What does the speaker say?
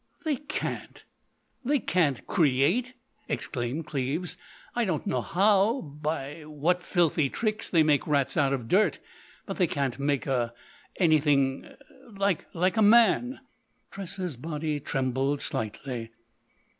"They can't—they can't create!" exclaimed Cleves. "I don't know how—by what filthy tricks—they make rats out of dirt. But they can't make a—anything—like a—like a man!" Tressa's body trembled slightly.